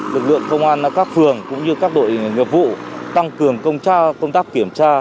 lực lượng công an các phường cũng như các đội nghiệp vụ tăng cường công tác kiểm tra